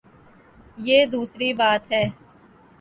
یہ دوسری بات ہے۔